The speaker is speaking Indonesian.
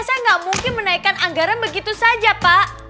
saya nggak mungkin menaikkan anggaran begitu saja pak